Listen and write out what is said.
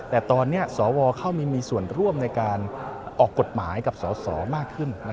แต่ตอนนี้สวเข้ามามีส่วนร่วมในการออกกฎหมายกับสสมากขึ้น